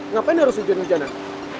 ngapain harus ujian ujianan